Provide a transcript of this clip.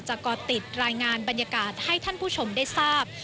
ก่อติดรายงานบรรยากาศให้ท่านผู้ชมได้ทราบ